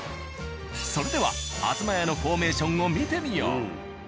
それでは「あづま家」のフォーメーションを見てみよう。